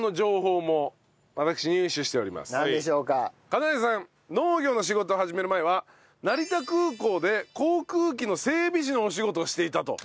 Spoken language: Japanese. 香那枝さん農業の仕事を始める前は成田空港で航空機の整備士のお仕事をしていたと。